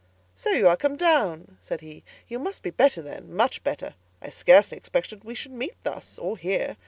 "So you are come down," said he; "you must be better then—much better. I scarcely expected we should meet thus, or here.